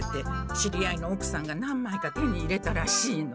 知り合いのおくさんが何まいか手に入れたらしいの。